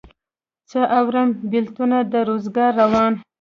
څه اورم بېلتونه د روزګار روان